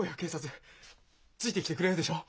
ついてきてくれるでしょ？